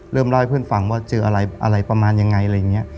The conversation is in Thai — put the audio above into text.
เริ่มเล่าให้เพื่อนฟังว่าเจออะไรประมาณยังไงอะไรอย่างเงี้ย